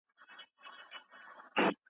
زه نه غواړم چې د الله په رزق کې بخل وکړم.